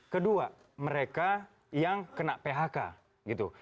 kedua mereka yang kena phk gitu